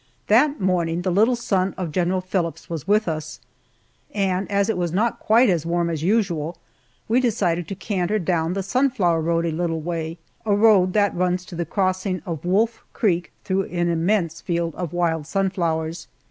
That morning the little son of General Phillips was with us, and as it was not quite as warm as usual, we decided to canter down the sunflower road a little way a road that runs to the crossing of Wolf Creek through an immense field of wild sunflowers.